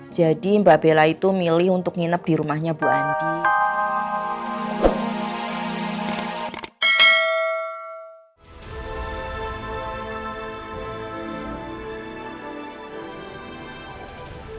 mbak bella itu milih untuk nginep di rumahnya bu andi